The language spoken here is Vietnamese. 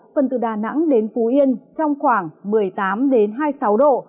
phần từ đà nẵng đến phú yên trong khoảng một mươi tám hai mươi sáu độ